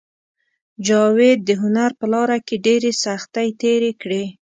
جاوید د هنر په لاره کې ډېرې سختۍ تېرې کړې